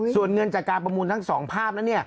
ส่วนเงินจากการประมูลทั้งสองภาพนั้น